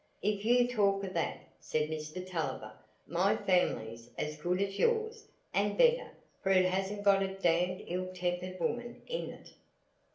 "If you talk o' that," said Mr Tulliver, "my family's as good as yours, and better, for it hasn't got a damned ill tempered woman in it!"